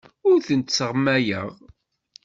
Ur tent-sseɣmayeɣ.